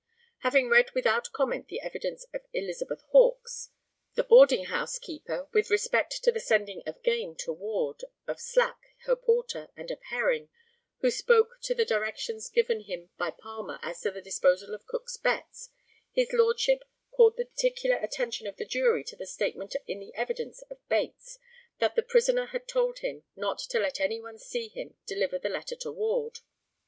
Having read without comment the evidence of Elizabeth Hawkes, the boarding house keeper, with respect to the sending of game to Ward, of Slack, her porter, and of Herring, who spoke to the directions given him by Palmer as to the disposal of Cook's bets, his Lordship called the particular attention of the jury to the statement in the evidence of Bates, that the prisoner had told him not to let any one see him deliver the letter to Ward.